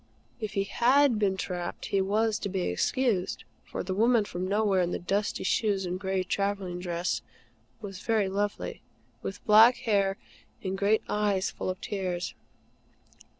If he HAD been trapped, he was to be excused; for the woman from nowhere, in the dusty shoes, and gray travelling dress, was very lovely, with black hair and great eyes full of tears.